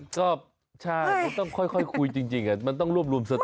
ก็ใช่มันต้องค่อยคุยจริงมันต้องรวบรวมสติ